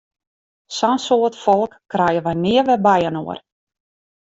Sa'n soad folk krije wy nea wer byinoar!